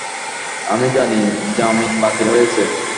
আমি জানি, জামিন বাতিল হয়েছে।